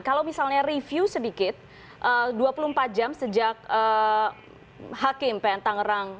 kalau misalnya review sedikit dua puluh empat jam sejak hakim pn tangerang